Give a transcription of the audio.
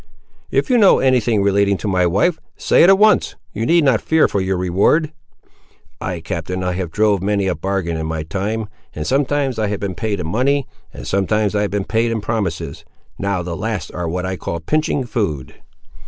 "If you know any thing relating to my wife, say it at once; you need not fear for your reward." "Ay, captain, I have drove many a bargain in my time, and sometimes I have been paid in money, and sometimes I have been paid in promises; now the last are what I call pinching food."